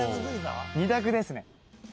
２択ですね。